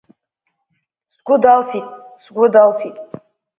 Сгәы далсит, сгәы далсит…